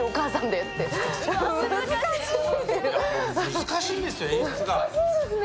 難しいんですよ、演出が。